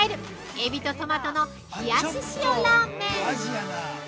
えびとトマトの冷やし塩ラーメン！